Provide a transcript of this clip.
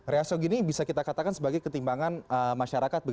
rasio gini bisa kita katakan sebagai ketimbangan masyarakat